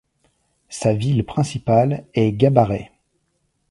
Sa ville principale est Gabarret.